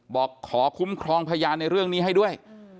บอกขอคุ้มครองพยานในเรื่องนี้ให้ด้วย